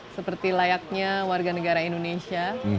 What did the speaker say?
seperti layaknya warga negara indonesia